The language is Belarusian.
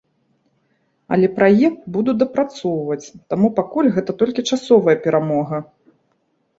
Але праект будуць дапрацоўваць, таму пакуль гэта толькі часовая перамога.